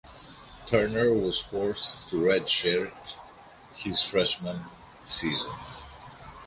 Turner was forced to redshirt his freshman season.